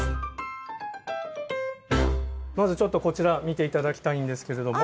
まずちょっとこちら見て頂きたいんですけれども。